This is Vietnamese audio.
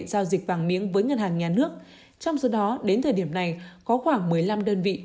giao dịch vàng miếng với ngân hàng nhà nước trong số đó đến thời điểm này có khoảng một mươi năm đơn vị